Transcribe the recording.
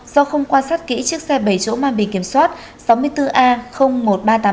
do không quan sát kỹ chiếc xe bầy chỗ mà bị kiểm soát